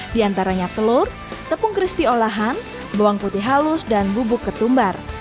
diantaranya telur tepung krispi olahan bawang putih halus dan bubuk ketumbar